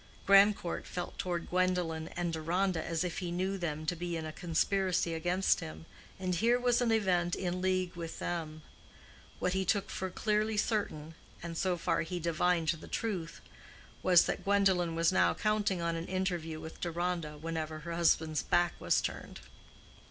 Grandcourt felt toward Gwendolen and Deronda as if he knew them to be in a conspiracy against him, and here was an event in league with them. What he took for clearly certain—and so far he divined the truth—was that Gwendolen was now counting on an interview with Deronda whenever her husband's back was turned.